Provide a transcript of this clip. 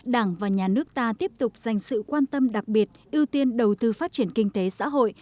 đảng và nhà nước ta tiếp tục dành sự quan tâm đặc biệt ưu tiên đầu tư phát triển kinh tế xã hội